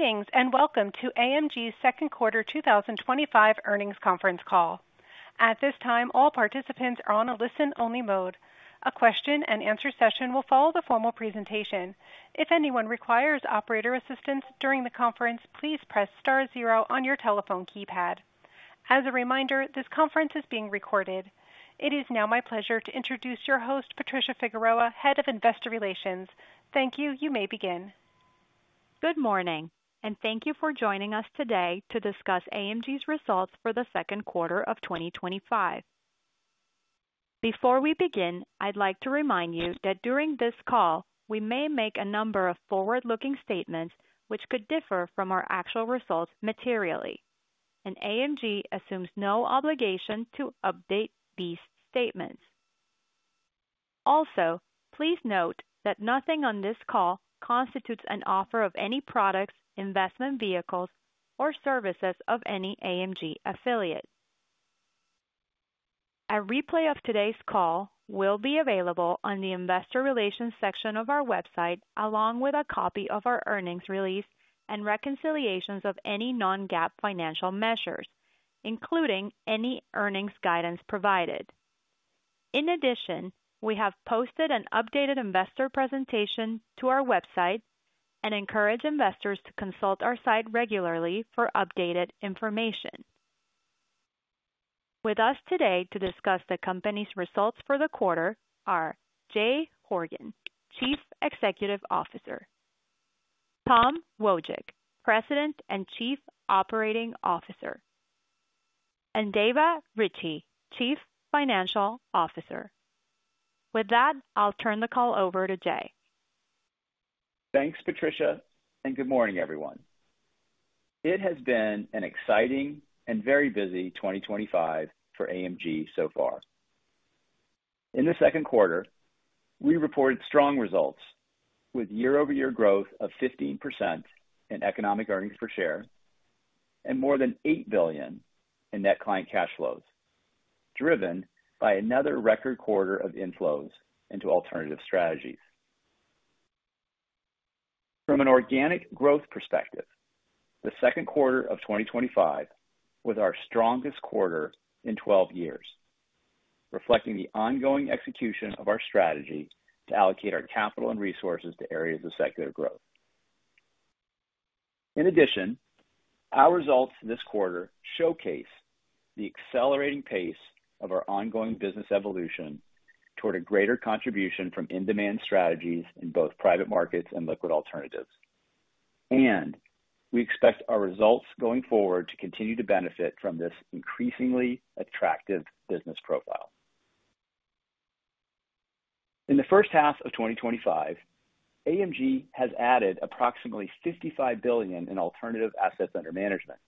Meetings, and welcome to AMG's second quarter 2025 earnings conference call. At this time, all participants are on a listen-only mode. A question-and-answer session will follow the formal presentation. If anyone requires operator assistance during the conference, please press star zero on your telephone keypad. As a reminder, this conference is being recorded. It is now my pleasure to introduce your host, Patricia Figueroa, Head of Investor Relations. Thank you. You may begin. Good morning, and thank you for joining us today to discuss AMG's results for the second quarter of 2025. Before we begin, I'd like to remind you that during this call, we may make a number of forward-looking statements, which could differ from our actual results materially, and AMG assumes no obligation to update these statements. Also, please note that nothing on this call constitutes an offer of any products, investment vehicles, or services of any AMG affiliate. A replay of today's call will be available on the Investor Relations section of our website, along with a copy of our earnings release and reconciliations of any non-GAAP financial measures, including any earnings guidance provided. In addition, we have posted an updated investor presentation to our website and encourage investors to consult our site regularly for updated information. With us today to discuss the company's results for the quarter are Jay Horgen, Chief Executive Officer, Tom Wojcik, President and Chief Operating Officer, and Dava Ritchea, Chief Financial Officer. With that, I'll turn the call over to Jay. Thanks, Patricia, and good morning, everyone. It has been an exciting and very busy 2025 for AMG so far. In the second quarter, we reported strong results with year-over-year growth of 15% in economic earnings per share and more than $8 billion in net client cash flows, driven by another record quarter of inflows into alternative strategies. From an organic growth perspective, the second quarter of 2025 was our strongest quarter in 12 years, reflecting the ongoing execution of our strategy to allocate our capital and resources to areas of secular growth. In addition, our results this quarter showcase the accelerating pace of our ongoing business evolution toward a greater contribution from in-demand strategies in both private markets and liquid alternatives, and we expect our results going forward to continue to benefit from this increasingly attractive business profile. In the first half of 2025, AMG has added approximately $55 billion in alternative assets under management,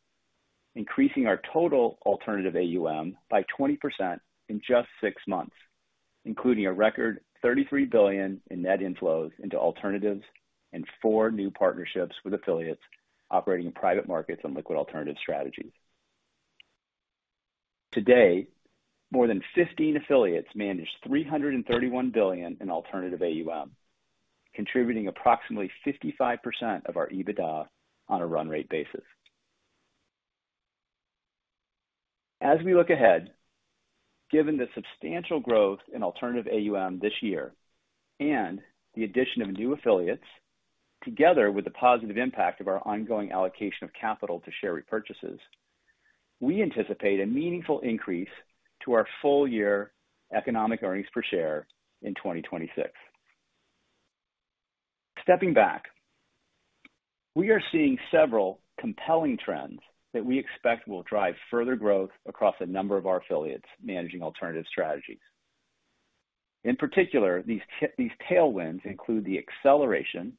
increasing our total alternative AUM by 20% in just six months, including a record $33 billion in net inflows into alternatives and four new partnerships with affiliates operating in private markets and liquid alternative strategies. Today, more than 15 affiliates manage $331 billion in alternative AUM, contributing approximately 55% of our EBITDA on a run-rate basis. As we look ahead, given the substantial growth in alternative AUM this year and the addition of new affiliates, together with the positive impact of our ongoing allocation of capital to share repurchases, we anticipate a meaningful increase to our full-year economic earnings per share in 2026. Stepping back, we are seeing several compelling trends that we expect will drive further growth across a number of our affiliates managing alternative strategies. In particular, these tailwinds include the acceleration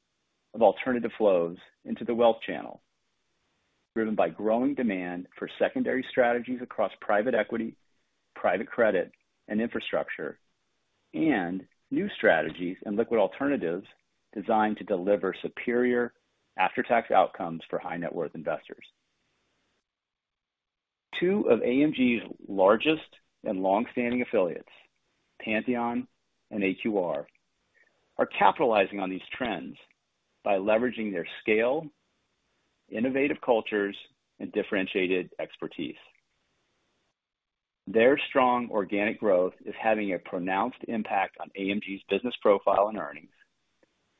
of alternative flows into the wealth channel, driven by growing demand for secondary strategies across private equity, private credit, and infrastructure, and new strategies and liquid alternatives designed to deliver superior after-tax outcomes for high-net-worth investors. Two of AMG's largest and longstanding affiliates, Pantheon and AQR, are capitalizing on these trends by leveraging their scale, innovative cultures, and differentiated expertise. Their strong organic growth is having a pronounced impact on AMG's business profile and earnings,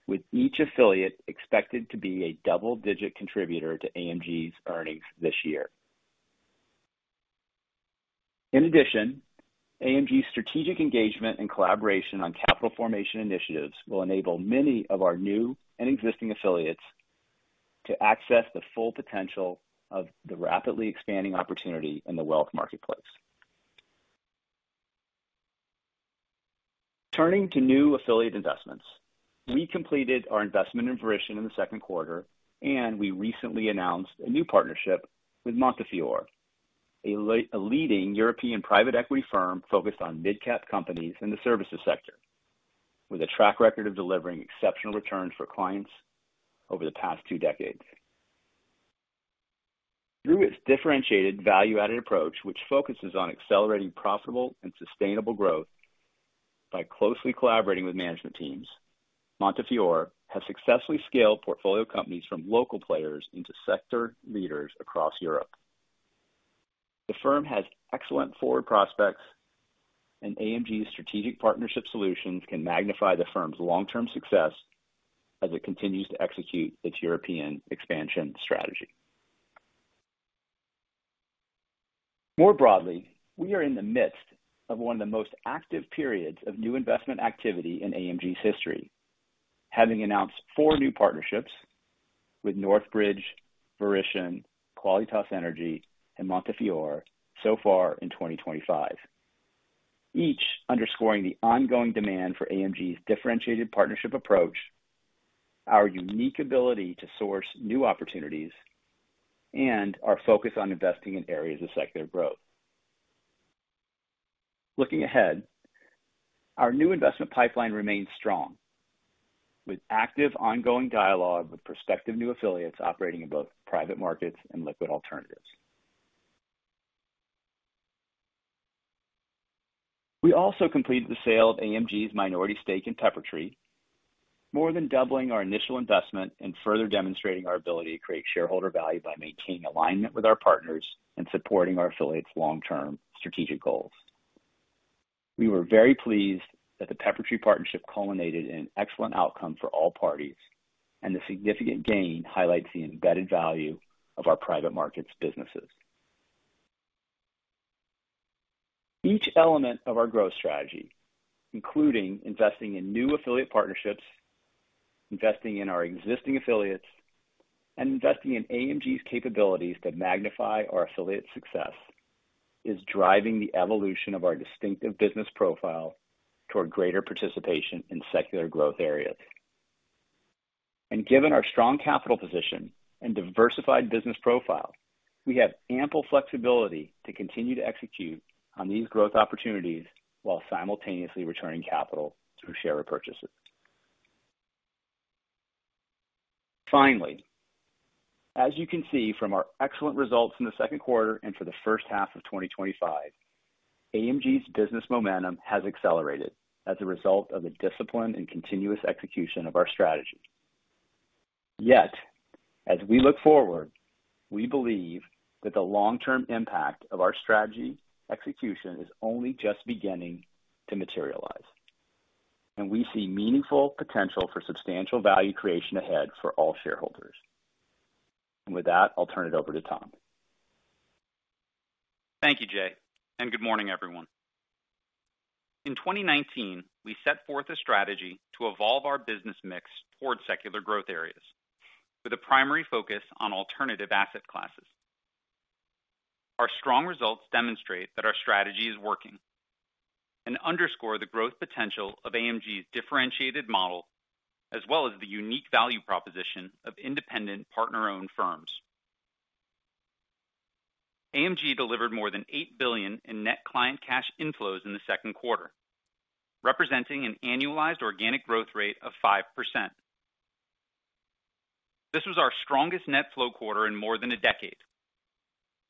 with each affiliate expected to be a double-digit contributor to AMG's earnings this year. In addition, AMG's strategic engagement and collaboration on capital formation initiatives will enable many of our new and existing affiliates to access the full potential of the rapidly expanding opportunity in the wealth marketplace. Turning to new affiliate investments, we completed our investment in Verition in the second quarter, and we recently announced a new partnership with Montefiore, a leading European private equity firm focused on mid-cap companies in the services sector, with a track record of delivering exceptional returns for clients over the past two decades. Through its differentiated value-added approach, which focuses on accelerating profitable and sustainable growth by closely collaborating with management teams, Montefiore has successfully scaled portfolio companies from local players into sector leaders across Europe. The firm has excellent forward prospects, and AMG's strategic partnership solutions can magnify the firm's long-term success as it continues to execute its European expansion strategy. More broadly, we are in the midst of one of the most active periods of new investment activity in AMG's history, having announced four new partnerships with NorthBridge, Verition, Qualitas Energy, and Montefiore so far in 2025, each underscoring the ongoing demand for AMG's differentiated partnership approach, our unique ability to source new opportunities, and our focus on investing in areas of secular growth. Looking ahead, our new investment pipeline remains strong, with active ongoing dialogue with prospective new affiliates operating in both private markets and liquid alternatives. We also completed the sale of AMG's minority stake in Peppertree, more than doubling our initial investment and further demonstrating our ability to create shareholder value by maintaining alignment with our partners and supporting our affiliates' long-term strategic goals. We were very pleased that the Peppertree partnership culminated in an excellent outcome for all parties, and the significant gain highlights the embedded value of our private markets businesses. Each element of our growth strategy, including investing in new affiliate partnerships, investing in our existing affiliates, and investing in AMG's capabilities to magnify our affiliate success, is driving the evolution of our distinctive business profile toward greater participation in secular growth areas. Given our strong capital position and diversified business profile, we have ample flexibility to continue to execute on these growth opportunities while simultaneously returning capital through share repurchases. Finally, as you can see from our excellent results in the second quarter and for the first half of 2025, AMG's business momentum has accelerated as a result of the discipline and continuous execution of our strategy. As we look forward, we believe that the long-term impact of our strategy execution is only just beginning to materialize, and we see meaningful potential for substantial value creation ahead for all shareholders. With that, I'll turn it over to Tom. Thank you, Jay, and good morning, everyone. In 2019, we set forth a strategy to evolve our business mix toward secular growth areas, with a primary focus on alternative asset classes. Our strong results demonstrate that our strategy is working and underscore the growth potential of AMG's differentiated model, as well as the unique value proposition of independent partner-owned firms. AMG delivered more than $8 billion in net client cash inflows in the second quarter, representing an annualized organic growth rate of 5%. This was our strongest net flow quarter in more than a decade,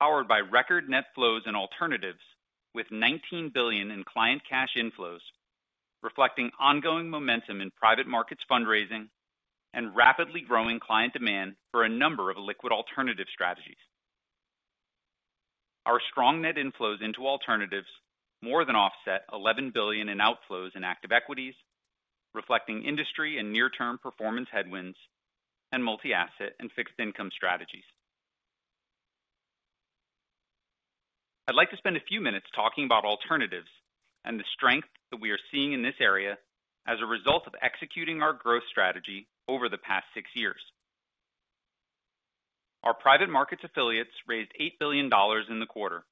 powered by record net flows in alternatives, with $19 billion in client cash inflows, reflecting ongoing momentum in private markets fundraising and rapidly growing client demand for a number of liquid alternative strategies. Our strong net inflows into alternatives more than offset $11 billion in outflows in active equities, reflecting industry and near-term performance headwinds in multi-asset and fixed income strategies. I'd like to spend a few minutes talking about alternatives and the strength that we are seeing in this area as a result of executing our growth strategy over the past six years. Our private markets affiliates raised $8 billion in the quarter,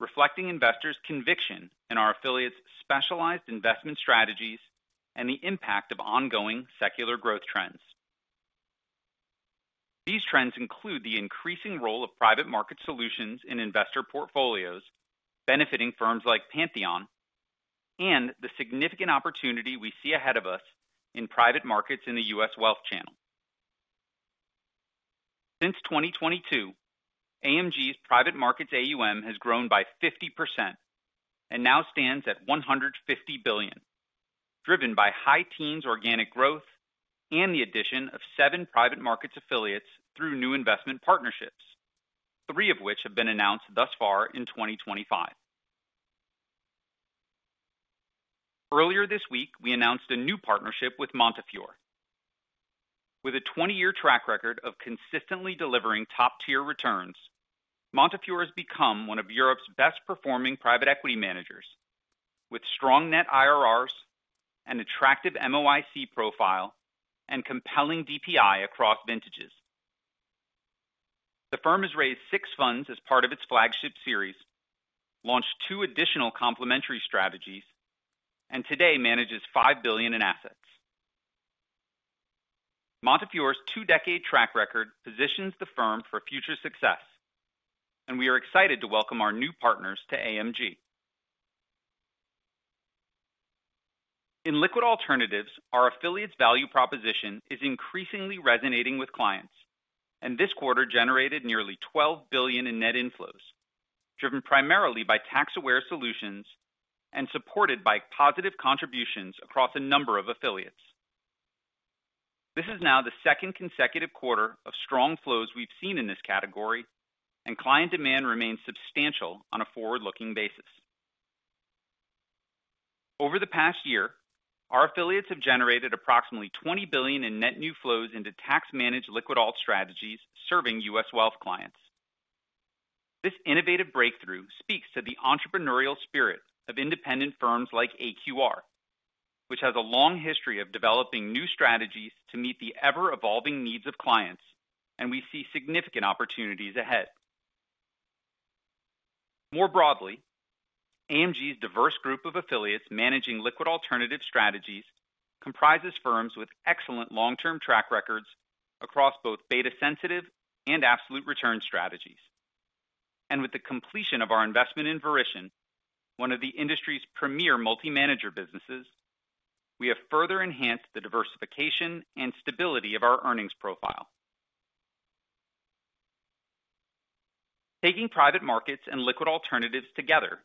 reflecting investors' conviction in our affiliates' specialized investment strategies and the impact of ongoing secular growth trends. These trends include the increasing role of private market solutions in investor portfolios, benefiting firms like Pantheon, and the significant opportunity we see ahead of us in private markets in the U.S. wealth channel. Since 2022, AMG's private markets AUM has grown by 50% and now stands at $150 billion, driven by high teens organic growth and the addition of seven private markets affiliates through new investment partnerships, three of which have been announced thus far in 2025. Earlier this week, we announced a new partnership with Montefiore. With a 20-year track record of consistently delivering top-tier returns, Montefiore has become one of Europe's best-performing private equity managers, with strong net IRRs, an attractive MOIC profile, and compelling DPI across vintages. The firm has raised six funds as part of its flagship series, launched two additional complementary strategies, and today manages $5 billion in assets. Montefiore's two-decade track record positions the firm for future success, and we are excited to welcome our new partners to AMG. In liquid alternatives, our affiliates' value proposition is increasingly resonating with clients, and this quarter generated nearly $12 billion in net inflows, driven primarily by tax-aware solutions and supported by positive contributions across a number of affiliates. This is now the second consecutive quarter of strong flows we've seen in this category, and client demand remains substantial on a forward-looking basis. Over the past year, our affiliates have generated approximately $20 billion in net new flows into tax-aware liquid alternative strategies serving U.S. wealth clients. This innovative breakthrough speaks to the entrepreneurial spirit of independent firms like AQR, which has a long history of developing new strategies to meet the ever-evolving needs of clients, and we see significant opportunities ahead. More broadly, AMG's diverse group of affiliates managing liquid alternative strategies comprises firms with excellent long-term track records across both beta-sensitive and absolute return strategies. With the completion of our investment in Verition, one of the industry's premier multi-manager businesses, we have further enhanced the diversification and stability of our earnings profile. Taking private markets and liquid alternatives together,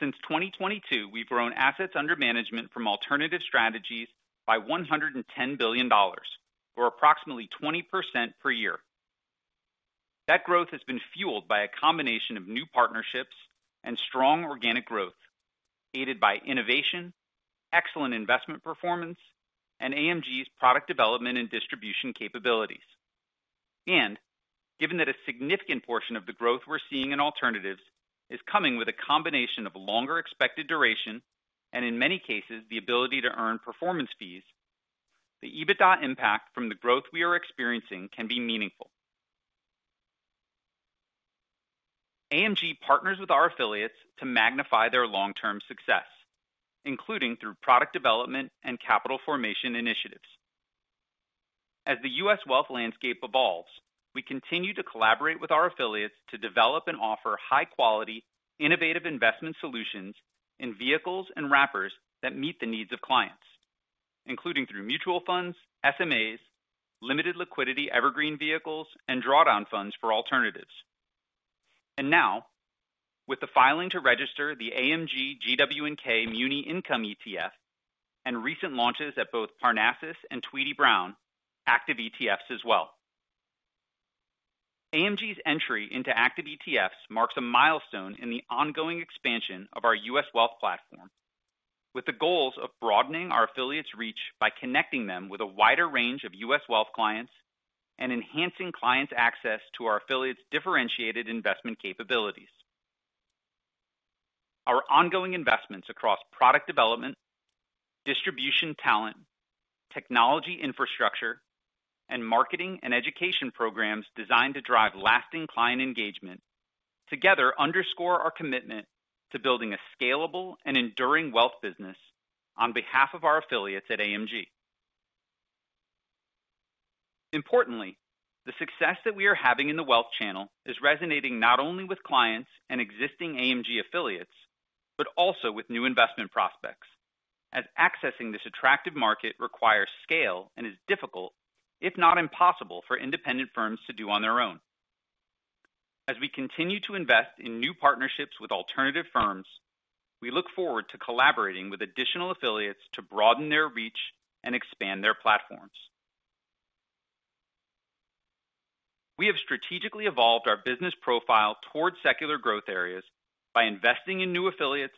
since 2022, we've grown assets under management from alternative strategies by $110 billion, or approximately 20% per year. That growth has been fueled by a combination of new partnerships and strong organic growth, aided by innovation, excellent investment performance, and AMG's product development and distribution capabilities. Given that a significant portion of the growth we're seeing in alternatives is coming with a combination of longer expected duration and, in many cases, the ability to earn performance fees, the EBITDA impact from the growth we are experiencing can be meaningful. AMG partners with our affiliates to magnify their long-term success, including through product development and capital formation initiatives. As the U.S. wealth landscape evolves, we continue to collaborate with our affiliates to develop and offer high-quality, innovative investment solutions in vehicles and wrappers that meet the needs of clients, including through mutual funds, separately managed accounts, limited liquidity evergreen vehicles, and drawdown funds for alternatives. Now, with the filing to register the AMG GW&K Muni Income ETF and recent launches at both Parnassus and Tweedy, Browne, active ETFs as well. AMG's entry into active ETFs marks a milestone in the ongoing expansion of our U.S. wealth platform, with the goals of broadening our affiliates' reach by connecting them with a wider range of U.S. wealth clients and enhancing clients' access to our affiliates' differentiated investment capabilities. Our ongoing investments across product development, distribution talent, technology infrastructure, and marketing and education programs designed to drive lasting client engagement together underscore our commitment to building a scalable and enduring wealth business on behalf of our affiliates at AMG. Importantly, the success that we are having in the wealth channel is resonating not only with clients and existing AMG affiliates but also with new investment prospects, as accessing this attractive market requires scale and is difficult, if not impossible, for independent firms to do on their own. As we continue to invest in new partnerships with alternative firms, we look forward to collaborating with additional affiliates to broaden their reach and expand their platforms. We have strategically evolved our business profile toward secular growth areas by investing in new affiliates,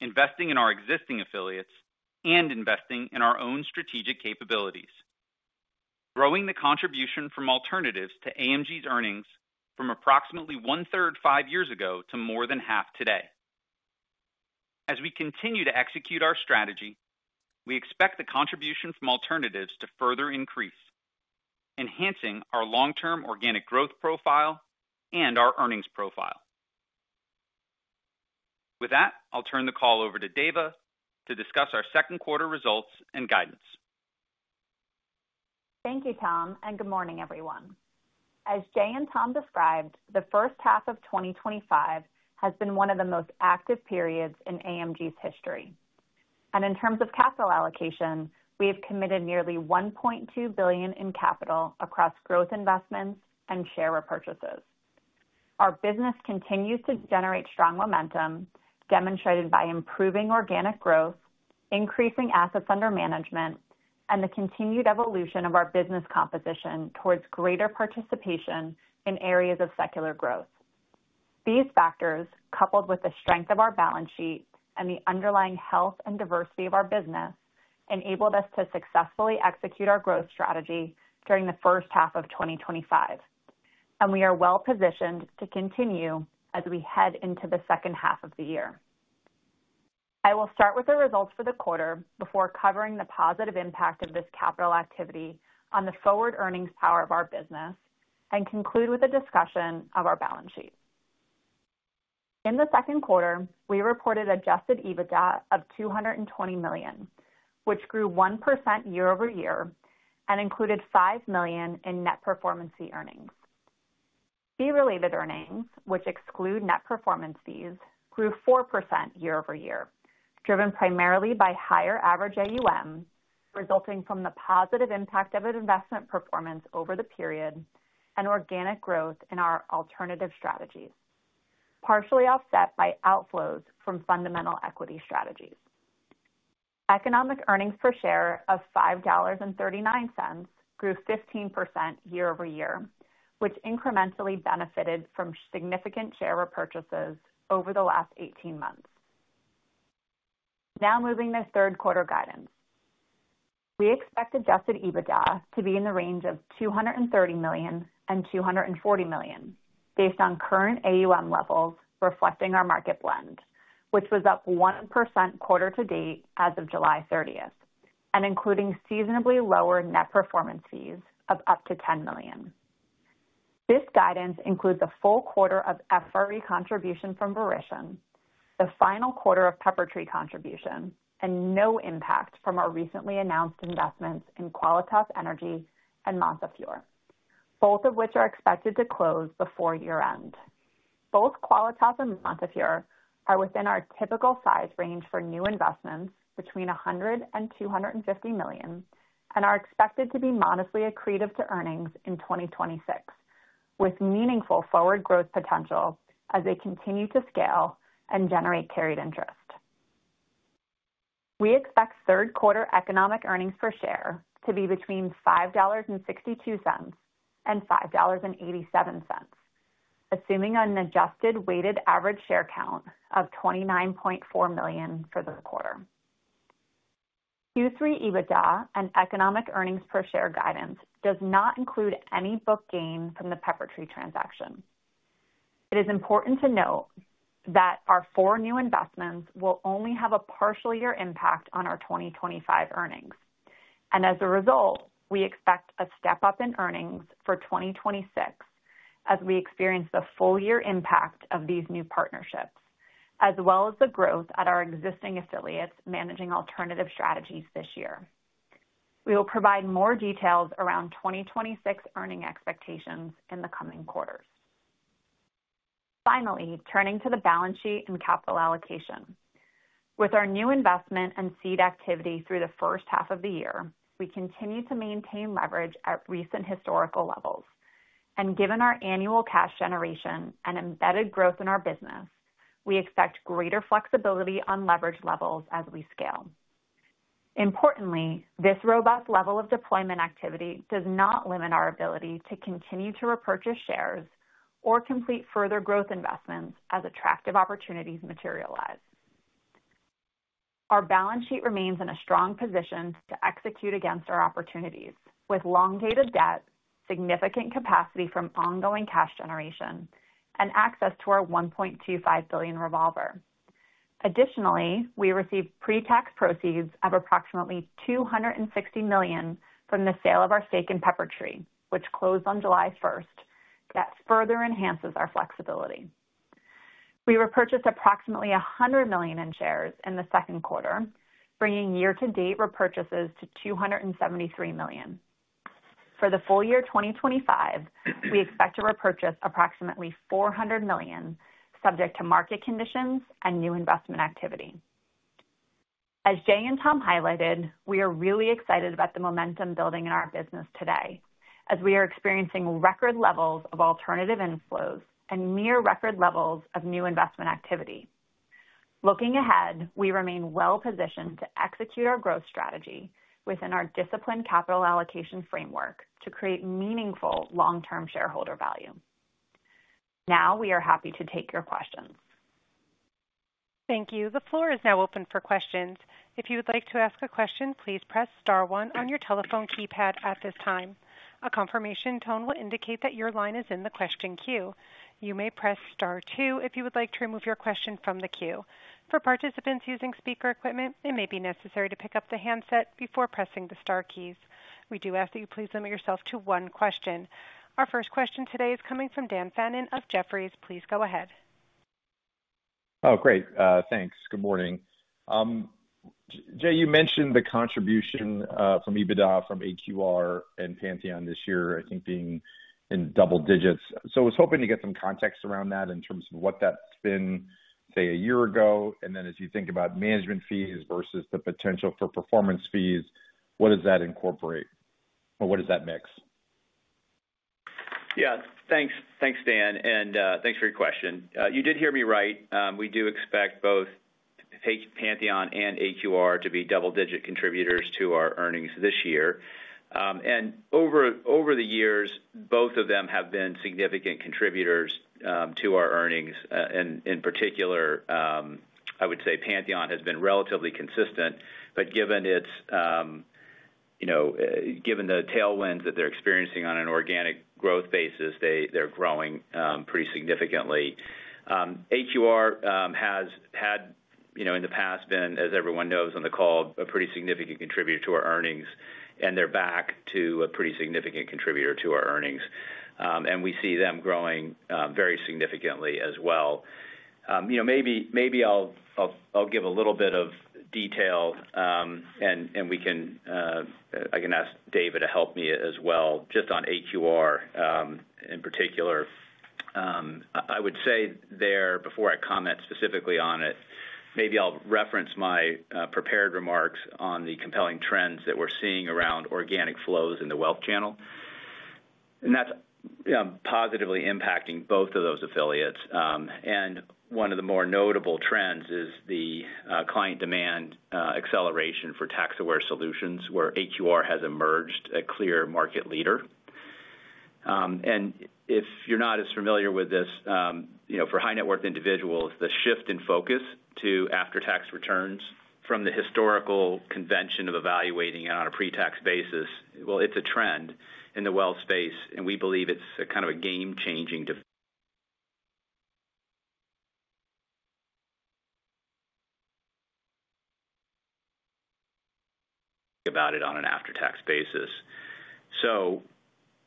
investing in our existing affiliates, and investing in our own strategic capabilities, growing the contribution from alternatives to AMG's earnings from approximately one-third five years ago to more than half today. As we continue to execute our strategy, we expect the contribution from alternatives to further increase, enhancing our long-term organic growth profile and our earnings profile. With that, I'll turn the call over to Dava to discuss our second quarter results and guidance. Thank you, Tom, and good morning, everyone. As Jay and Tom described, the first half of 2025 has been one of the most active periods in AMG's history. In terms of capital allocation, we have committed nearly $1.2 billion in capital across growth investments and share repurchases. Our business continues to generate strong momentum, demonstrated by improving organic growth, increasing assets under management, and the continued evolution of our business composition towards greater participation in areas of secular growth. These factors, coupled with the strength of our balance sheet and the underlying health and diversity of our business, enabled us to successfully execute our growth strategy during the first half of 2025. We are well-positioned to continue as we head into the second half of the year. I will start with the results for the quarter before covering the positive impact of this capital activity on the forward earnings power of our business and conclude with a discussion of our balance sheet. In the second quarter, we reported adjusted EBITDA of $220 million, which grew 1% year-over-year and included $5 million in net performance earnings. Fee-related earnings, which exclude net performance fees, grew 4% year-over-year, driven primarily by higher average AUM, resulting from the positive impact of investment performance over the period and organic growth in our alternative strategies, partially offset by outflows from fundamental equity strategies. Economic earnings per share of $5.39 grew 15% year-over-year, which incrementally benefited from significant share repurchases over the last 18 months. Now moving to third quarter guidance, we expect adjusted EBITDA to be in the range of $230 million and $240 million, based on current AUM levels reflecting our market blend, which was up 1% quarter to date as of July 30, and including seasonably lower net performance fees of up to $10 million. This guidance includes a full quarter of FRE contribution from Verition, the final quarter of Peppertree contribution, and no impact from our recently announced investments in Qualitas Energy and Montefiore, both of which are expected to close before year-end. Both Qualitas and Montefiore are within our typical size range for new investments between $100 million and $250 million and are expected to be modestly accretive to earnings in 2026, with meaningful forward growth potential as they continue to scale and generate carried interest. We expect third quarter economic earnings per share to be between $5.62 and $5.87, assuming an adjusted weighted average share count of 29.4 million for the quarter. Q3 EBITDA and economic earnings per share guidance do not include any book gain from the Peppertree transaction. It is important to note that our four new investments will only have a partial year impact on our 2025 earnings. As a result, we expect a step up in earnings for 2026 as we experience the full year impact of these new partnerships, as well as the growth at our existing affiliates managing alternative strategies this year. We will provide more details around 2026 earning expectations in the coming quarters. Finally, turning to the balance sheet and capital allocation, with our new investment and seed activity through the first half of the year, we continue to maintain leverage at recent historical levels. Given our annual cash generation and embedded growth in our business, we expect greater flexibility on leverage levels as we scale. Importantly, this robust level of deployment activity does not limit our ability to continue to repurchase shares or complete further growth investments as attractive opportunities materialize. Our balance sheet remains in a strong position to execute against our opportunities, with long-dated debt, significant capacity from ongoing cash generation, and access to our $1.25 billion revolver. Additionally, we received pre-tax proceeds of approximately $260 million from the sale of our stake in Peppertree, which closed on July 1st, that further enhances our flexibility. We repurchased approximately $100 million in shares in the second quarter, bringing year-to-date repurchases to $273 million. For the full year 2025, we expect to repurchase approximately $400 million, subject to market conditions and new investment activity. As Jay and Tom highlighted, we are really excited about the momentum building in our business today, as we are experiencing record levels of alternative inflows and near record levels of new investment activity. Looking ahead, we remain well-positioned to execute our growth strategy within our disciplined capital allocation framework to create meaningful long-term shareholder value. Now we are happy to take your questions. Thank you. The floor is now open for questions. If you would like to ask a question, please press star one on your telephone keypad at this time. A confirmation tone will indicate that your line is in the question queue. You may press star two if you would like to remove your question from the queue. For participants using speaker equipment, it may be necessary to pick up the handset before pressing the star keys. We do ask that you please limit yourself to one question. Our first question today is coming from Dan Fannon of Jefferies. Please go ahead. Oh, great. Thanks. Good morning. Jay, you mentioned the contribution from EBITDA from AQR and Pantheon this year, I think being in double digits. I was hoping to get some context around that in terms of what that's been, say, a year ago. As you think about management fees versus the potential for performance fees, what does that incorporate or what does that mix? Yeah, thanks, Dan, and thanks for your question. You did hear me right. We do expect both Pantheon and AQR to be double-digit contributors to our earnings this year. Over the years, both of them have been significant contributors to our earnings. In particular, I would say Pantheon has been relatively consistent. Given the tailwinds that they're experiencing on an organic growth basis, they're growing pretty significantly. AQR has had, in the past, as everyone knows on the call, a pretty significant contributor to our earnings, and they're back to a pretty significant contributor to our earnings. We see them growing very significantly as well. Maybe I'll give a little bit of detail, and I can ask Dava to help me as well just on AQR in particular. I would say there, before I comment specifically on it, maybe I'll reference my prepared remarks on the compelling trends that we're seeing around organic flows in the wealth channel. That's positively impacting both of those affiliates. One of the more notable trends is the client demand acceleration for tax-aware solutions, where AQR has emerged a clear market leader. If you're not as familiar with this, for high-net-worth individuals, the shift in focus to after-tax returns from the historical convention of evaluating it on a pre-tax basis, it's a trend in the wealth space, and we believe it's kind of a game-changing about it on an after-tax basis.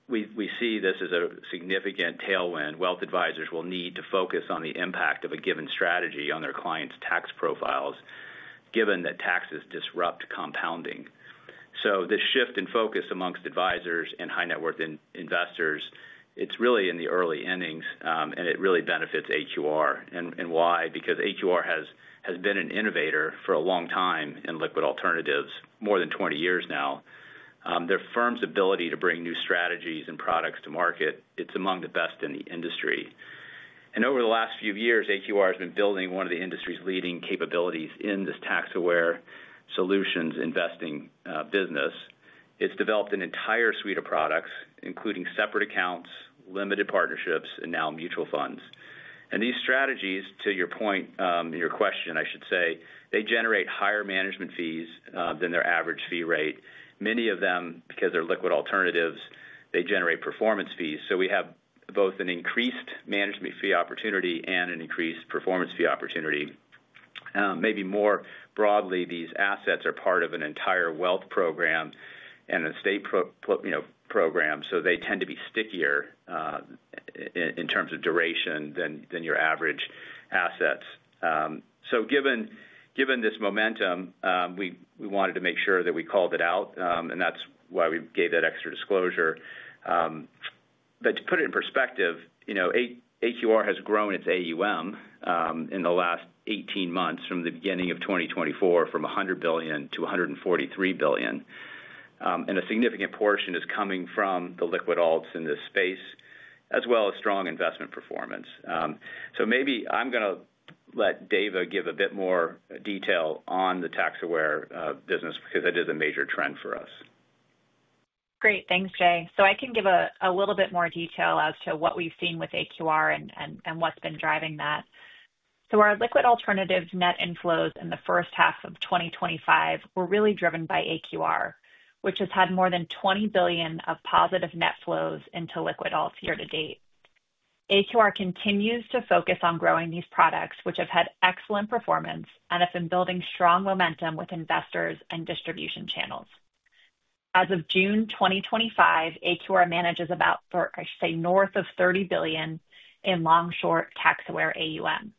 We see this as a significant tailwind. Wealth advisors will need to focus on the impact of a given strategy on their clients' tax profiles, given that taxes disrupt compounding. This shift in focus amongst advisors and high-net-worth investors, it's really in the early innings, and it really benefits AQR. Why? Because AQR has been an innovator for a long time in liquid alternatives, more than 20 years now. Their firm's ability to bring new strategies and products to market, it's among the best in the industry. Over the last few years, AQR has been building one of the industry's leading capabilities in this tax-aware solutions investing business. It's developed an entire suite of products, including separate accounts, limited partnerships, and now mutual funds. These strategies, to your point in your question, I should say, they generate higher management fees than their average fee rate. Many of them, because they're liquid alternatives, generate performance fees. We have both an increased management fee opportunity and an increased performance fee opportunity. More broadly, these assets are part of an entire wealth program and an estate program, so they tend to be stickier in terms of duration than your average assets. Given this momentum, we wanted to make sure that we called it out, and that's why we gave that extra disclosure. To put it in perspective, AQR has grown its AUM in the last 18 months from the beginning of 2024 from $100 billion to $143 billion. A significant portion is coming from the liquid alts in this space, as well as strong investment performance. I'm going to let Dava give a bit more detail on the tax-aware business because that is a major trend for us. Great, thanks, Jay. I can give a little bit more detail as to what we've seen with AQR and what's been driving that. Our liquid alternatives net inflows in the first half of 2025 were really driven by AQR, which has had more than $20 billion of positive net flows into liquid alternatives year to date. AQR continues to focus on growing these products, which have had excellent performance and have been building strong momentum with investors and distribution channels. As of June 2025, AQR manages about, I should say, north of $30 billion in long-short tax-aware AUM.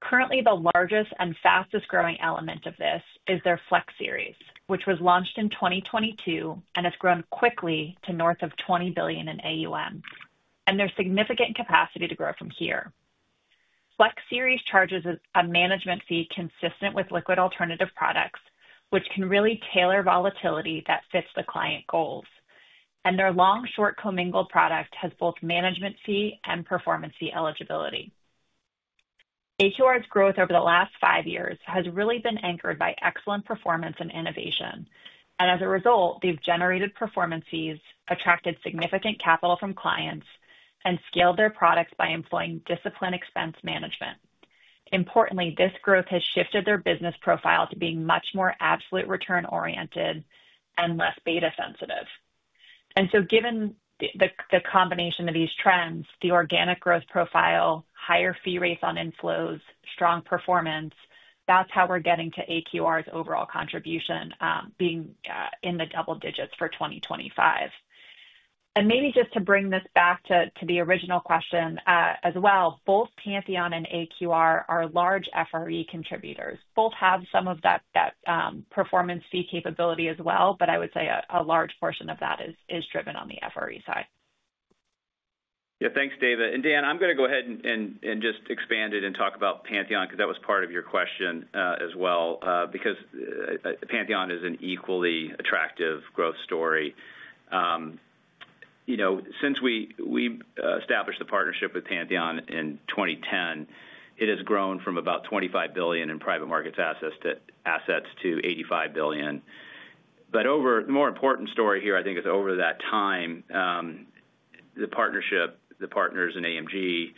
Currently, the largest and fastest growing element of this is their Flex series, which was launched in 2022 and has grown quickly to north of $20 billion in AUM, and there's significant capacity to grow from here. Flex series charges a management fee consistent with liquid alternative products, which can really tailor volatility that fits the client goals. Their long-short commingled product has both management fee and performance fee eligibility. AQR's growth over the last five years has really been anchored by excellent performance and innovation. As a result, they've generated performance fees, attracted significant capital from clients, and scaled their products by employing discipline expense management. Importantly, this growth has shifted their business profile to being much more absolute return-oriented and less beta-sensitive. Given the combination of these trends, the organic growth profile, higher fee rates on inflows, strong performance, that's how we're getting to AQR's overall contribution being in the double digits for 2025. Maybe just to bring this back to the original question as well, both Pantheon and AQR are large FRE contributors. Both have some of that performance fee capability as well, but I would say a large portion of that is driven on the FRE side. Yeah, thanks, Dava. Dan, I'm going to go ahead and just expand it and talk about Pantheon because that was part of your question as well, because Pantheon is an equally attractive growth story. Since we established the partnership with Pantheon in 2010, it has grown from about $25 billion in private markets assets to $85 billion. The more important story here, I think, is over that time, the partnership, the partners in AMG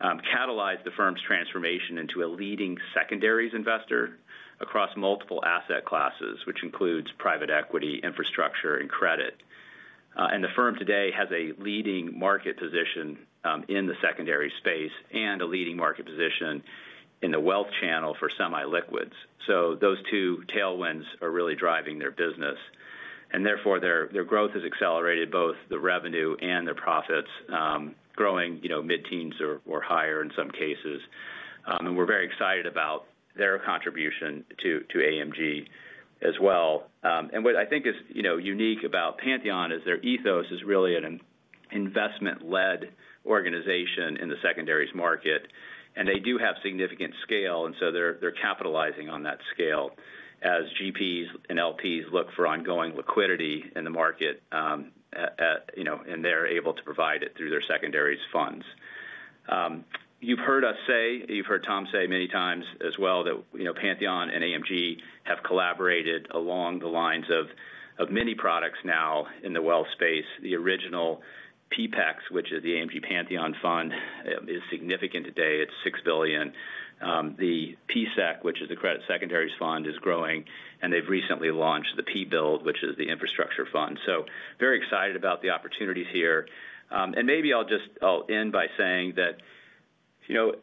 catalyzed the firm's transformation into a leading secondaries investor across multiple asset classes, which includes private equity, infrastructure, and credit. The firm today has a leading market position in the secondary space and a leading market position in the wealth channel for semi-liquids. Those two tailwinds are really driving their business. Therefore, their growth has accelerated both the revenue and their profits, growing mid-teens or higher in some cases. We're very excited about their contribution to AMG as well. What I think is unique about Pantheon is their ethos is really an investment-led organization in the secondaries market. They do have significant scale, and they're capitalizing on that scale as GPs and LPs look for ongoing liquidity in the market, and they're able to provide it through their secondaries funds. You've heard us say, you've heard Tom say many times as well that Pantheon and AMG have collaborated along the lines of many products now in the wealth space. The original P-PEXX, which is the AMG Pantheon Fund, is significant today. It's $6 billion. The PSEC, which is the Credit Secondaries Fund, is growing, and they've recently launched the P build, which is the infrastructure fund. Very excited about the opportunities here. Maybe I'll just end by saying that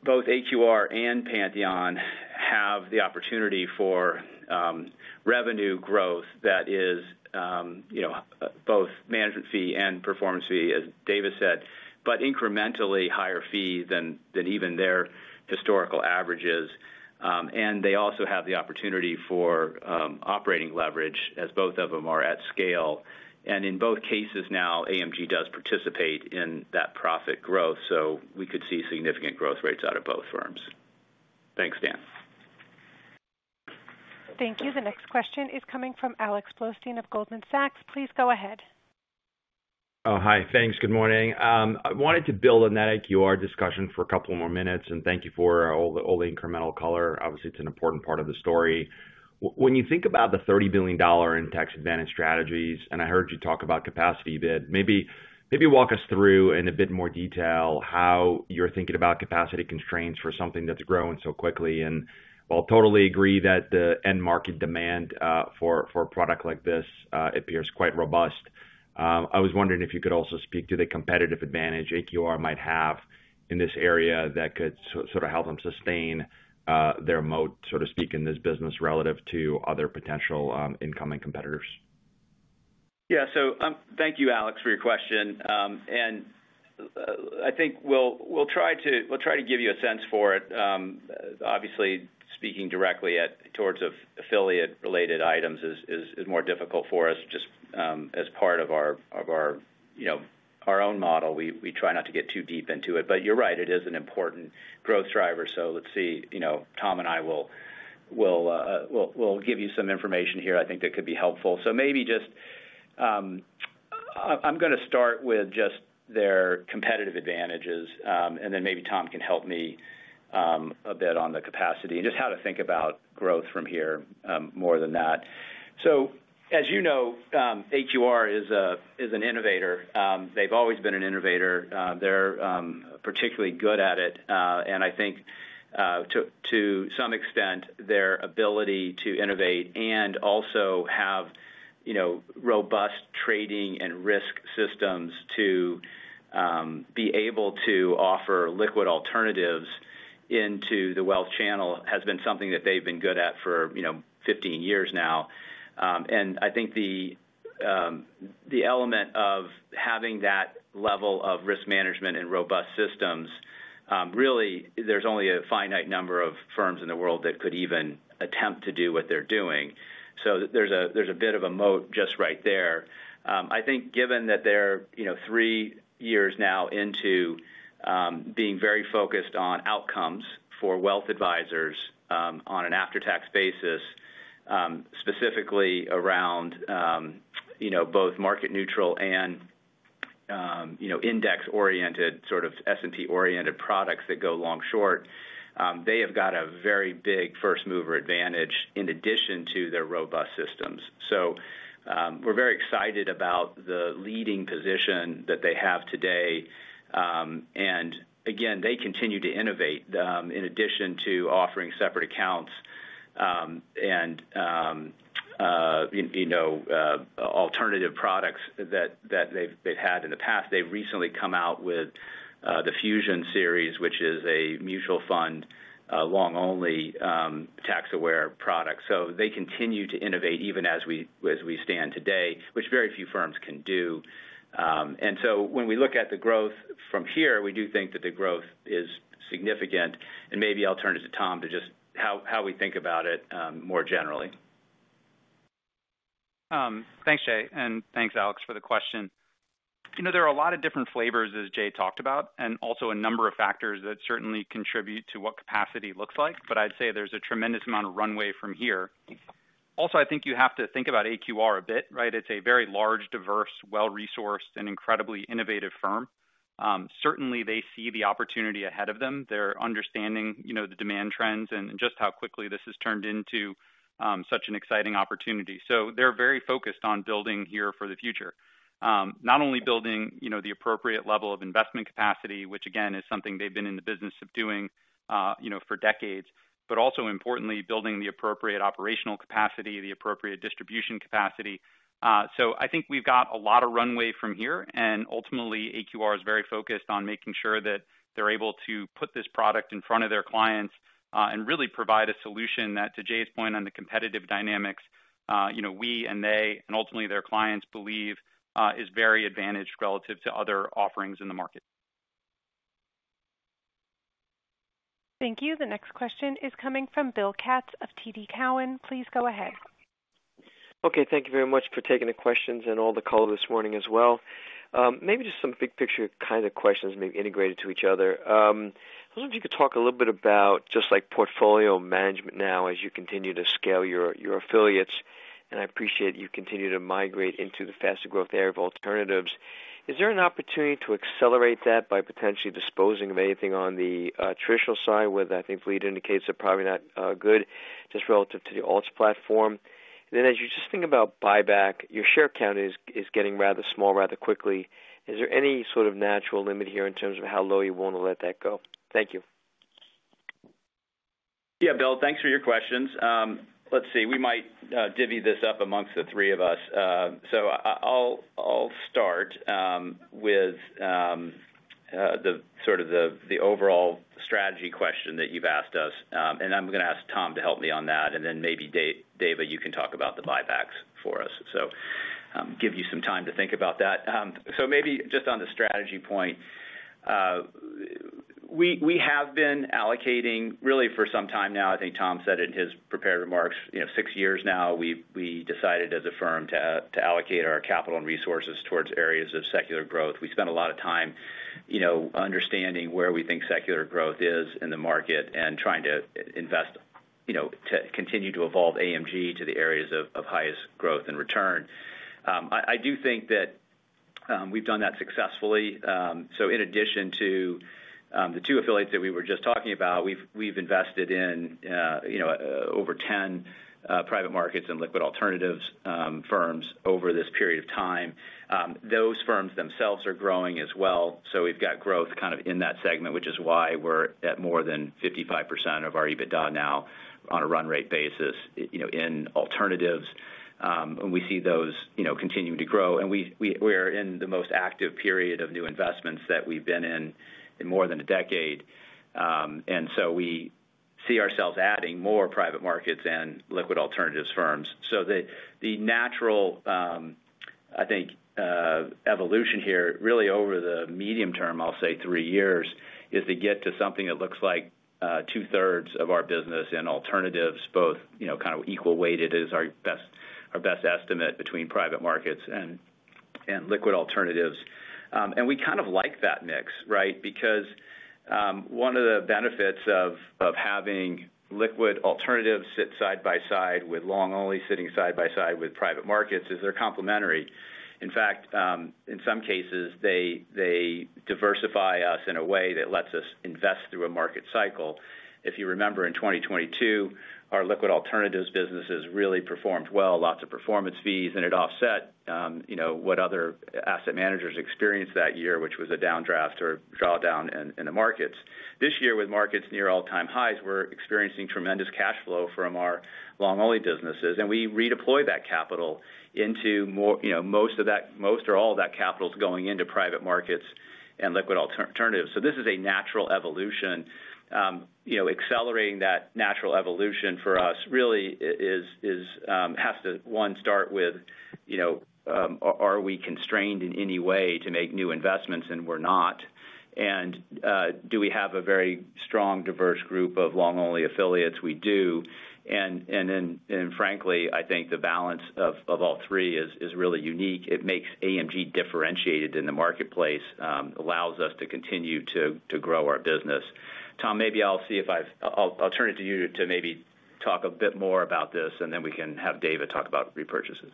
both AQR and Pantheon have the opportunity for revenue growth that is both management fee and performance fee, as Dava said, but incrementally higher fee than even their historical averages. They also have the opportunity for operating leverage as both of them are at scale. In both cases now, AMG does participate in that profit growth. We could see significant growth rates out of both firms. Thanks, Dan. Thank you. The next question is coming from Alex Blostein of Goldman Sachs. Please go ahead. Oh, hi. Thanks. Good morning. I wanted to build on that AQR discussion for a couple more minutes, and thank you for all the incremental color. Obviously, it's an important part of the story. When you think about the $30 billion in tax-advantaged strategies, and I heard you talk about capacity a bit, maybe walk us through in a bit more detail how you're thinking about capacity constraints for something that's growing so quickly. While I totally agree that the end market demand for a product like this appears quite robust, I was wondering if you could also speak to the competitive advantage AQR might have in this area that could sort of help them sustain their moat, so to speak, in this business relative to other potential incoming competitors. Yeah, thank you, Alex, for your question. I think we'll try to give you a sense for it. Obviously, speaking directly towards affiliate-related items is more difficult for us just as part of our own model. We try not to get too deep into it. You're right, it is an important growth driver. Tom and I will give you some information here I think that could be helpful. Maybe just I'm going to start with just their competitive advantages, and then maybe Tom can help me a bit on the capacity and just how to think about growth from here more than that. As you know, AQR is an innovator. They've always been an innovator. They're particularly good at it. I think to some extent, their ability to innovate and also have robust trading and risk systems to be able to offer liquid alternatives into the wealth channel has been something that they've been good at for 15 years now. I think the element of having that level of risk management and robust systems, really, there's only a finite number of firms in the world that could even attempt to do what they're doing. There's a bit of a moat just right there. I think given that they're three years now into being very focused on outcomes for wealth advisors on an after-tax basis, specifically around both market-neutral and index-oriented, sort of S&P-oriented products that go long-short, they have got a very big first-mover advantage in addition to their robust systems. We're very excited about the leading position that they have today. They continue to innovate. In addition to offering separate accounts and alternative products that they've had in the past, they've recently come out with the Fusion series, which is a mutual fund long-only tax-aware product. They continue to innovate even as we stand today, which very few firms can do. When we look at the growth from here, we do think that the growth is significant. Maybe I'll turn it to Tom to just how we think about it more generally. Thanks, Jay, and thanks, Alex, for the question. There are a lot of different flavors, as Jay talked about, and also a number of factors that certainly contribute to what capacity looks like. I'd say there's a tremendous amount of runway from here. I think you have to think about AQR a bit, right? It's a very large, diverse, well-resourced, and incredibly innovative firm. Certainly, they see the opportunity ahead of them. They're understanding the demand trends and just how quickly this has turned into such an exciting opportunity. They're very focused on building here for the future, not only building the appropriate level of investment capacity, which again is something they've been in the business of doing for decades, but also importantly building the appropriate operational capacity, the appropriate distribution capacity. I think we've got a lot of runway from here. Ultimately, AQR is very focused on making sure that they're able to put this product in front of their clients and really provide a solution that, to Jay's point on the competitive dynamics, we and they and ultimately their clients believe is very advantaged relative to other offerings in the market. Thank you. The next question is coming from William Katz of TD Cowen. Please go ahead. Okay, thank you very much for taking the questions and all the color this morning as well. Maybe just some big picture kind of questions maybe integrated to each other. I was wondering if you could talk a little bit about just like portfolio management now as you continue to scale your affiliates. I appreciate you continue to migrate into the fastest growth area of alternatives. Is there an opportunity to accelerate that by potentially disposing of anything on the traditional side, where I think lead indicators are probably not good, just relative to the alts platform? As you just think about buyback, your share count is getting rather small rather quickly. Is there any sort of natural limit here in terms of how low you want to let that go? Thank you. Yeah, Bill, thanks for your questions. Let's see, we might divvy this up amongst the three of us. I'll start with the overall strategy question that you've asked us. I'm going to ask Tom to help me on that. Maybe Dava, you can talk about the buybacks for us. Give you some time to think about that. Maybe just on the strategy point, we have been allocating really for some time now. I think Tom said in his prepared remarks, six years now, we decided as a firm to allocate our capital and resources towards areas of secular growth. We spent a lot of time understanding where we think secular growth is in the market and trying to invest to continue to evolve AMG to the areas of highest growth and return. I do think that we've done that successfully. In addition to the two affiliates that we were just talking about, we've invested in over 10 private markets and liquid alternatives firms over this period of time. Those firms themselves are growing as well. We've got growth in that segment, which is why we're at more than 55% of our EBITDA now on a run-rate basis in alternatives. We see those continuing to grow. We are in the most active period of new investments that we've been in in more than a decade. We see ourselves adding more private markets and liquid alternatives firms. The natural evolution here really over the medium term, I'll say three years, is to get to something that looks like two-thirds of our business in alternatives, both kind of equal weighted is our best estimate between private markets and liquid alternatives. We kind of like that mix, right? One of the benefits of having liquid alternatives sit side by side with long only sitting side by side with private markets is they're complementary. In fact, in some cases, they diversify us in a way that lets us invest through a market cycle. If you remember in 2022, our liquid alternatives businesses really performed well, lots of performance fees, and it offset what other asset managers experienced that year, which was a downdraft or drawdown in the markets. This year, with markets near all-time highs, we're experiencing tremendous cash flow from our long-only businesses. We redeploy that capital into more, most or all of that capital is going into private markets and liquid alternatives. This is a natural evolution. Accelerating that natural evolution for us really has to, one, start with, are we constrained in any way to make new investments? We're not. Do we have a very strong, diverse group of long-only affiliates? We do. Frankly, I think the balance of all three is really unique. It makes AMG differentiated in the marketplace and allows us to continue to grow our business. Tom, maybe I'll see if I'll turn it to you to maybe talk a bit more about this, and then we can have Dava talk about repurchases.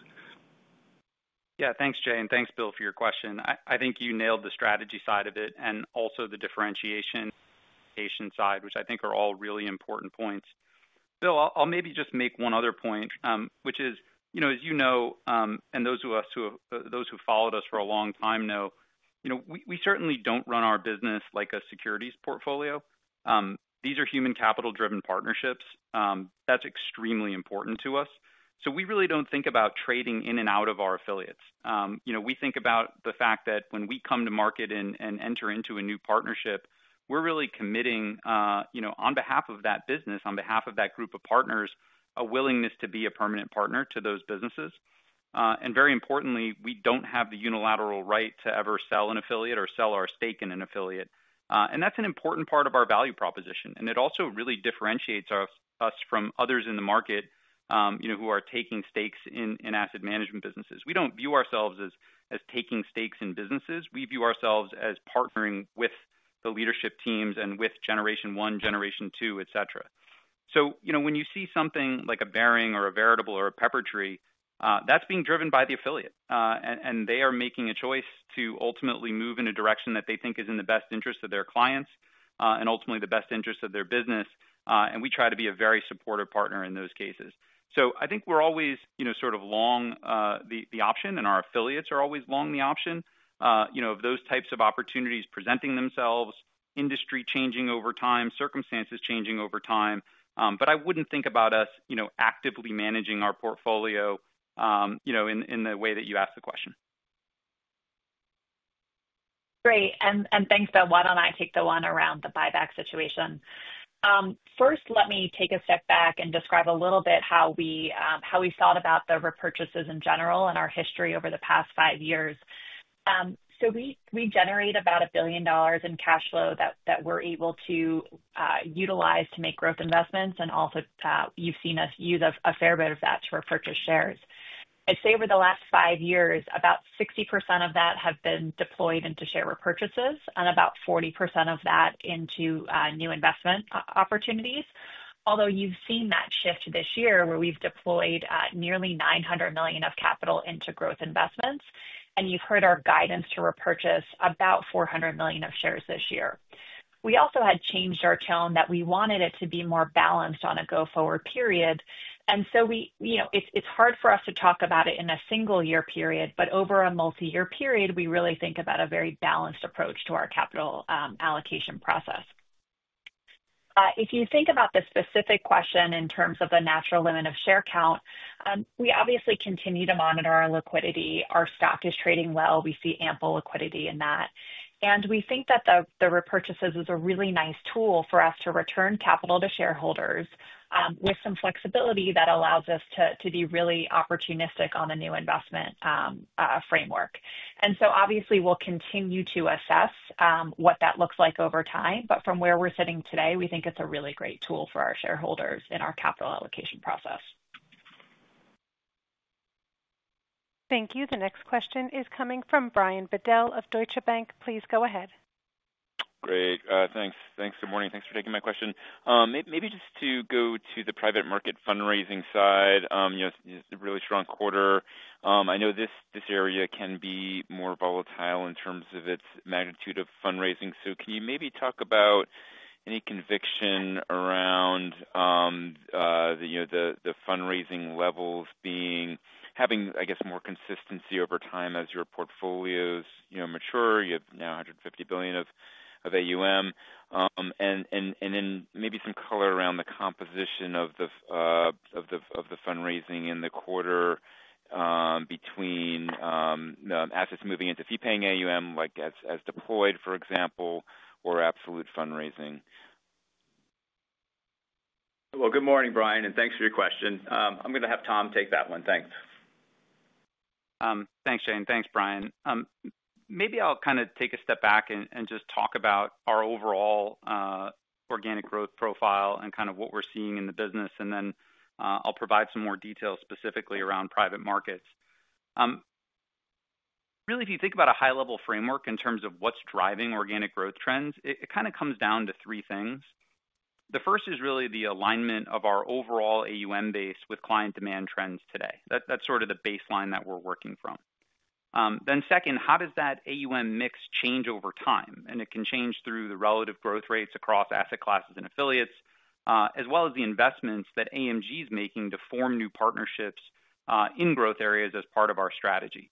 Yeah, thanks, Jay, and thanks, Bill, for your question. I think you nailed the strategy side of it and also the differentiation side, which I think are all really important points. Bill, I'll maybe just make one other point, which is, as you know, and those who followed us for a long time know, we certainly don't run our business like a securities portfolio. These are human capital-driven partnerships. That's extremely important to us. We really don't think about trading in and out of our affiliates. We think about the fact that when we come to market and enter into a new partnership, we're really committing, on behalf of that business, on behalf of that group of partners, a willingness to be a permanent partner to those businesses. Very importantly, we don't have the unilateral right to ever sell an affiliate or sell our stake in an affiliate. That's an important part of our value proposition. It also really differentiates us from others in the market who are taking stakes in asset management businesses. We don't view ourselves as taking stakes in businesses. We view ourselves as partnering with the leadership teams and with generation one, generation two, et cetera. When you see something like a bearing or a variable or a Peppertree, that's being driven by the affiliate. They are making a choice to ultimately move in a direction that they think is in the best interest of their clients and ultimately the best interest of their business. We try to be a very supportive partner in those cases. I think we're always sort of long the option, and our affiliates are always long the option of those types of opportunities presenting themselves, industry changing over time, circumstances changing over time. I wouldn't think about us actively managing our portfolio in the way that you asked the question. Great. Thanks, Bill. Why don't I take the one around the buyback situation? First, let me take a step back and describe a little bit how we thought about the repurchases in general and our history over the past five years. We generate about $1 billion in cash flow that we're able to utilize to make growth investments. You've seen us use a fair bit of that to repurchase shares. I'd say over the last five years, about 60% of that has been deployed into share repurchases and about 40% of that into new investment opportunities. Although you've seen that shift this year where we've deployed nearly $900 million of capital into growth investments, and you've heard our guidance to repurchase about $400 million of shares this year. We also had changed our tone that we wanted it to be more balanced on a go-forward period. It's hard for us to talk about it in a single-year period, but over a multi-year period, we really think about a very balanced approach to our capital allocation process. If you think about the specific question in terms of the natural limit of share count, we obviously continue to monitor our liquidity. Our stock is trading well. We see ample liquidity in that. We think that the repurchases is a really nice tool for us to return capital to shareholders with some flexibility that allows us to be really opportunistic on a new investment framework. Obviously, we'll continue to assess what that looks like over time. From where we're sitting today, we think it's a really great tool for our shareholders in our capital allocation process. Thank you. The next question is coming from Brian Bedell of Deutsche Bank. Please go ahead. Great. Thanks. Good morning. Thanks for taking my question. Maybe just to go to the private market fundraising side, you know, really strong quarter. I know this area can be more volatile in terms of its magnitude of fundraising. Can you maybe talk about any conviction around the fundraising levels having, I guess, more consistency over time as your portfolios mature? You have now $150 billion of AUM. Maybe some color around the composition of the fundraising in the quarter between assets moving into fee-paying AUM, like as deployed, for example, or absolute fundraising. Good morning, Brian, and thanks for your question. I'm going to have Tom take that one. Thanks. Thanks, Jay. Thanks, Brian. Maybe I'll kind of take a step back and just talk about our overall organic growth profile and kind of what we're seeing in the business. I'll provide some more details specifically around private markets. Really, if you think about a high-level framework in terms of what's driving organic growth trends, it kind of comes down to three things. The first is really the alignment of our overall AUM base with client demand trends today. That's sort of the baseline that we're working from. Second, how does that AUM mix change over time? It can change through the relative growth rates across asset classes and affiliates, as well as the investments that AMG is making to form new partnerships in growth areas as part of our strategy.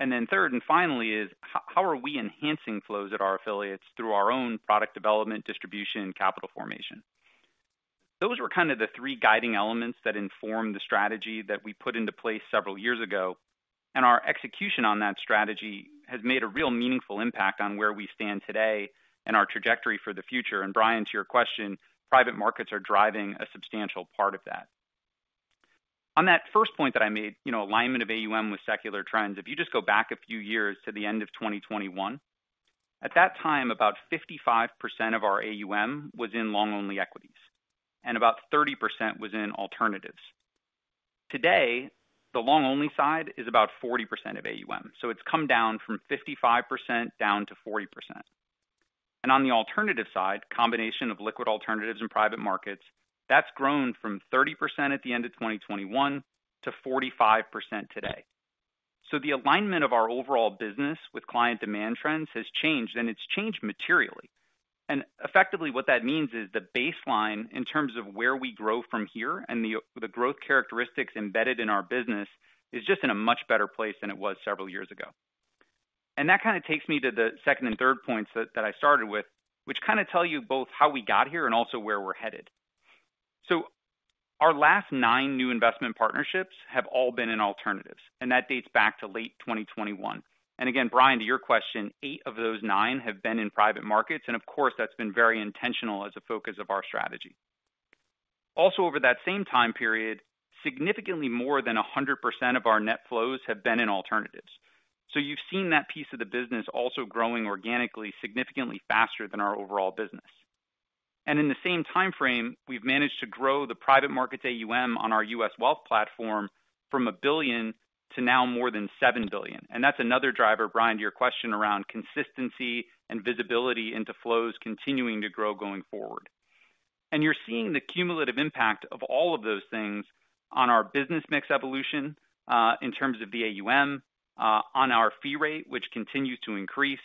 Third and finally is how are we enhancing flows at our affiliates through our own product development, distribution, and capital formation? Those were kind of the three guiding elements that inform the strategy that we put into place several years ago. Our execution on that strategy has made a real meaningful impact on where we stand today and our trajectory for the future. Brian, to your question, private markets are driving a substantial part of that. On that first point that I made, alignment of AUM with secular trends, if you just go back a few years to the end of 2021, at that time, about 55% of our AUM was in long-only equities and about 30% was in alternatives. Today, the long-only side is about 40% of AUM. It's come down from 55% down to 40%. On the alternative side, a combination of liquid alternatives and private markets, that's grown from 30% at the end of 2021 to 45% today. The alignment of our overall business with client demand trends has changed, and it's changed materially. Effectively, what that means is the baseline in terms of where we grow from here and the growth characteristics embedded in our business is just in a much better place than it was several years ago. That kind of takes me to the second and third points that I started with, which kind of tell you both how we got here and also where we're headed. Our last nine new investment partnerships have all been in alternatives, and that dates back to late 2021. Brian, to your question, eight of those nine have been in private markets. Of course, that's been very intentional as a focus of our strategy. Also, over that same time period, significantly more than 100% of our net flows have been in alternatives. You've seen that piece of the business also growing organically significantly faster than our overall business. In the same time frame, we've managed to grow the private markets AUM on our U.S. wealth platform from $1 billion to now more than $7 billion. That's another driver, Brian, to your question around consistency and visibility into flows continuing to grow going forward. You're seeing the cumulative impact of all of those things on our business mix evolution in terms of the AUM, on our fee rate, which continues to increase,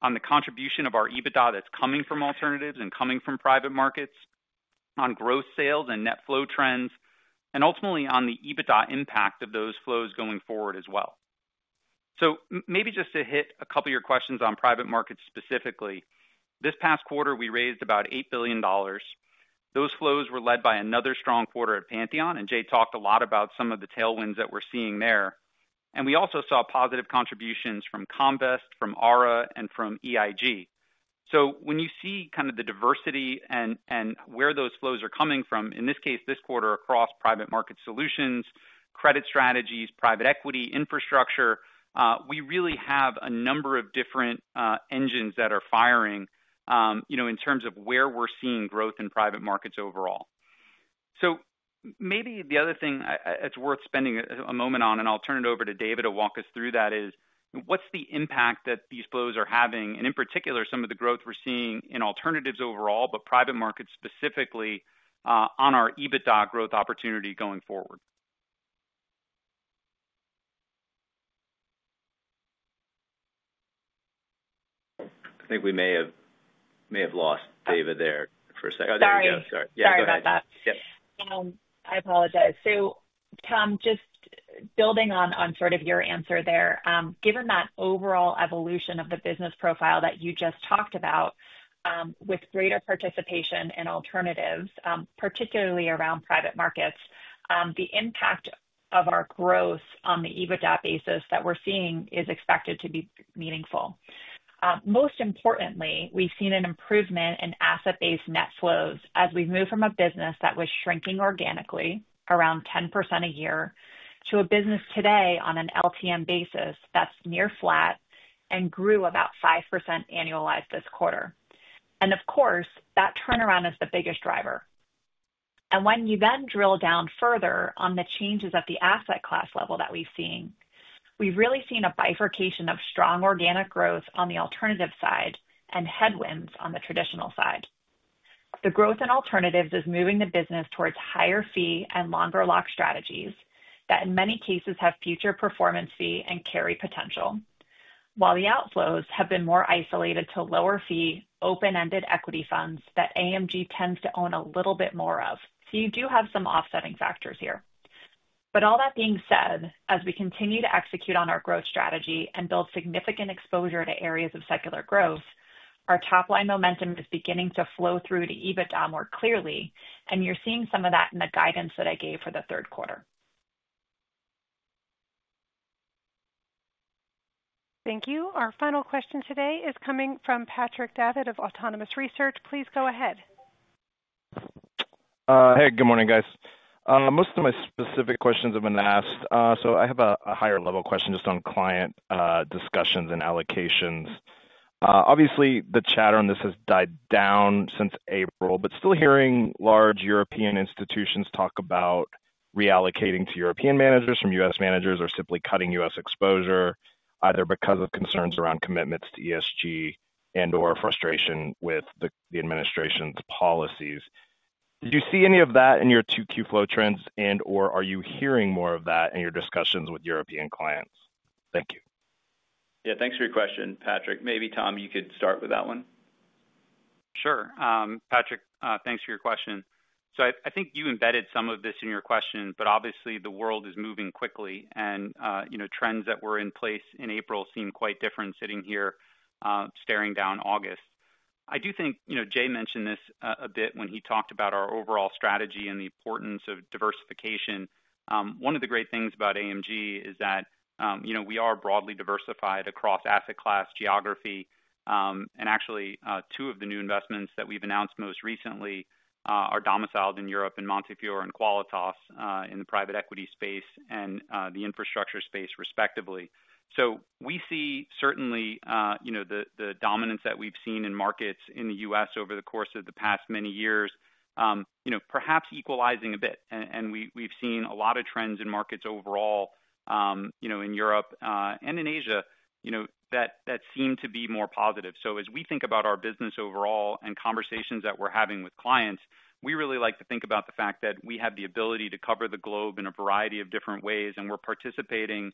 on the contribution of our EBITDA that's coming from alternatives and coming from private markets, on growth sales and net flow trends, and ultimately on the EBITDA impact of those flows going forward as well. Maybe just to hit a couple of your questions on private markets specifically, this past quarter, we raised about $8 billion. Those flows were led by another strong quarter at Pantheon, and Jay talked a lot about some of the tailwinds that we're seeing there. We also saw positive contributions from Combest, from Ara, and from EIG. When you see the diversity and where those flows are coming from, in this case, this quarter across private market solutions, credit strategies, private equity, infrastructure, we really have a number of different engines that are firing in terms of where we're seeing growth in private markets overall. The other thing it's worth spending a moment on, and I'll turn it over to Dava to walk us through that, is what's the impact that these flows are having? In particular, some of the growth we're seeing in alternatives overall, but private markets specifically on our EBITDA growth opportunity going forward. I think we may have lost Dava there for a second. Oh, there we go. Sorry. Sorry about that. Yep. I apologize. Tom, just building on sort of your answer there, given that overall evolution of the business profile that you just talked about with greater participation in alternatives, particularly around private markets, the impact of our growth on the EBITDA basis that we're seeing is expected to be meaningful. Most importantly, we've seen an improvement in asset-based net flows as we've moved from a business that was shrinking organically around 10% a year to a business today on an LTM basis that's near flat and grew about 5% annualized this quarter. That turnaround is the biggest driver. When you then drill down further on the changes at the asset class level that we've seen, we've really seen a bifurcation of strong organic growth on the alternative side and headwinds on the traditional side. The growth in alternatives is moving the business towards higher fee and longer lock strategies that in many cases have future performance fee and carry potential, while the outflows have been more isolated to lower fee open-ended equity funds that AMG tends to own a little bit more of. You do have some offsetting factors here. All that being said, as we continue to execute on our growth strategy and build significant exposure to areas of secular growth, our top-line momentum is beginning to flow through to EBITDA more clearly. You're seeing some of that in the guidance that I gave for the third quarter. Thank you. Our final question today is coming from Patrick Davitt of Autonomous Research. Please go ahead. Hey, good morning, guys. Most of my specific questions have been asked. I have a higher-level question just on client discussions and allocations. Obviously, the chatter on this has died down since April, but still hearing large European institutions talk about reallocating to European managers from U.S. managers or simply cutting U.S. exposure, either because of concerns around commitments to ESG and/or frustration with the administration's policies. Did you see any of that in your Q2 flow trends, and/or are you hearing more of that in your discussions with European clients? Thank you. Yeah, thanks for your question, Patrick. Maybe Tom, you could start with that one. Sure. Patrick, thanks for your question. I think you embedded some of this in your question, but obviously, the world is moving quickly. Trends that were in place in April seem quite different sitting here staring down August. I do think, you know, Jay mentioned this a bit when he talked about our overall strategy and the importance of diversification. One of the great things about AMG is that we are broadly diversified across asset class geography. Actually, two of the new investments that we've announced most recently are domiciled in Europe in Montefiore and Qualitas Energy in the private equity space and the infrastructure space, respectively. We see certainly the dominance that we've seen in markets in the U.S. over the course of the past many years perhaps equalizing a bit. We've seen a lot of trends in markets overall in Europe and in Asia that seem to be more positive. As we think about our business overall and conversations that we're having with clients, we really like to think about the fact that we have the ability to cover the globe in a variety of different ways, and we're participating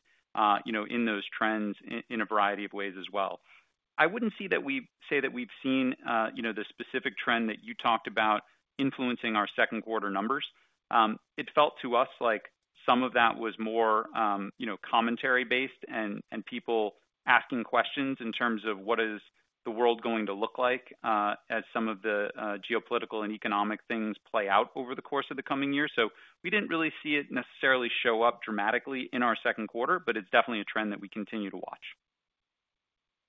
in those trends in a variety of ways as well. I wouldn't say that we've seen the specific trend that you talked about influencing our second quarter numbers. It felt to us like some of that was more commentary-based and people asking questions in terms of what is the world going to look like as some of the geopolitical and economic things play out over the course of the coming year. We didn't really see it necessarily show up dramatically in our second quarter, but it's definitely a trend that we continue to watch.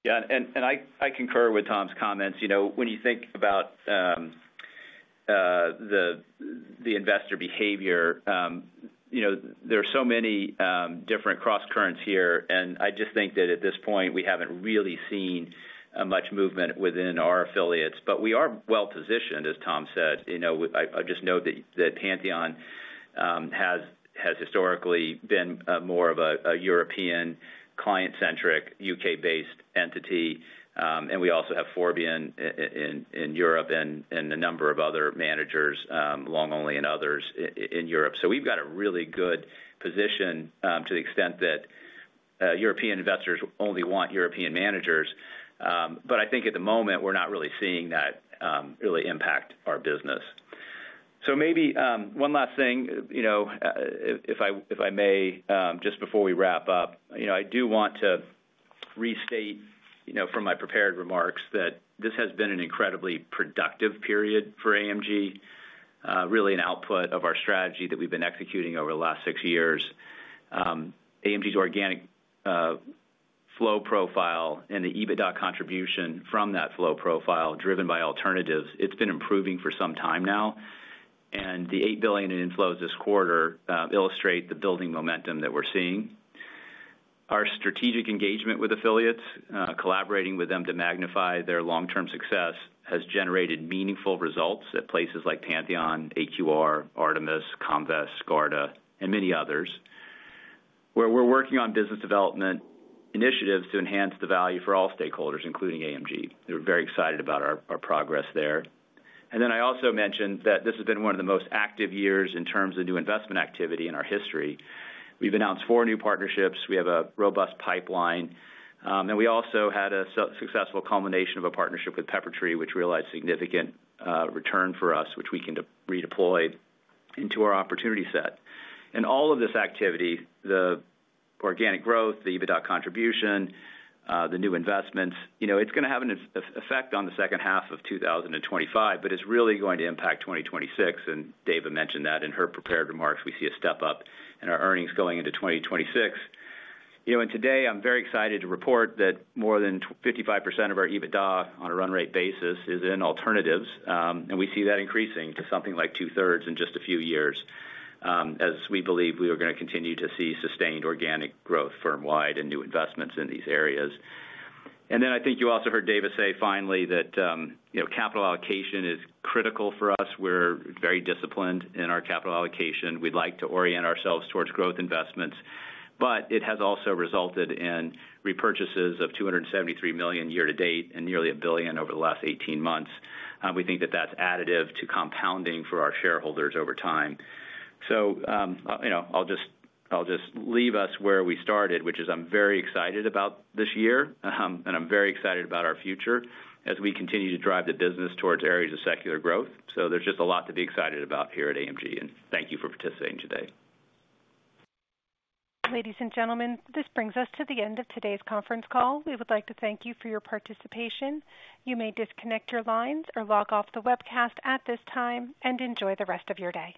Yeah, and I concur with Tom's comments. You know, when you think about the investor behavior, there are so many different cross-currents here. I just think that at this point, we haven't really seen much movement within our affiliates. We are well-positioned, as Tom said. I just note that Pantheon has historically been more of a European client-centric, U.K.-based entity. We also have Forbion in Europe and a number of other managers, long-only and others in Europe. We've got a really good position to the extent that European investors only want European managers. I think at the moment, we're not really seeing that really impact our business. Maybe one last thing, if I may, just before we wrap up, I do want to restate from my prepared remarks that this has been an incredibly productive period for AMG, really an output of our strategy that we've been executing over the last six years. AMG's organic flow profile and the EBITDA contribution from that flow profile driven by alternatives, it's been improving for some time now. The $8 billion in inflows this quarter illustrate the building momentum that we're seeing. Our strategic engagement with affiliates, collaborating with them to magnify their long-term success, has generated meaningful results at places like Pantheon, AQR, Artemis, Combest, Garda, and many others. We're working on business development initiatives to enhance the value for all stakeholders, including AMG. They're very excited about our progress there. I also mentioned that this has been one of the most active years in terms of new investment activity in our history. We've announced four new partnerships. We have a robust pipeline. We also had a successful culmination of a partnership with Peppertree, which realized significant return for us, which we can redeploy into our opportunity set. All of this activity, the organic growth, the EBITDA contribution, the new investments, it's going to have an effect on the second half of 2025, but it's really going to impact 2026. Dava mentioned that in her prepared remarks, we see a step up in our earnings going into 2026. Today, I'm very excited to report that more than 55% of our EBITDA on a run-rate basis is in alternatives. We see that increasing to something like two-thirds in just a few years, as we believe we are going to continue to see sustained organic growth firm-wide and new investments in these areas. I think you also heard Dava say finally that, you know, capital allocation is critical for us. We're very disciplined in our capital allocation. We'd like to orient ourselves towards growth investments, but it has also resulted in repurchases of $273 million year to date and nearly $1 billion over the last 18 months. We think that that's additive to compounding for our shareholders over time. I'll just leave us where we started, which is I'm very excited about this year, and I'm very excited about our future as we continue to drive the business towards areas of secular growth. There is just a lot to be excited about here at AMG. Thank you for participating today. Ladies and gentlemen, this brings us to the end of today's conference call. We would like to thank you for your participation. You may disconnect your lines or log off the webcast at this time and enjoy the rest of your day.